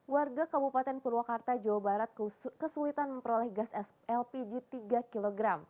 warga kabupaten purwakarta jawa barat kesulitan memperoleh gas lpg tiga kg